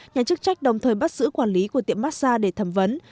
nhà chức trách đồng thời bắt giữ quản lý của tiệm massag để thẩm vấn